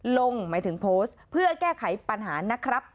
หมายถึงโพสต์เพื่อแก้ไขปัญหานะครับ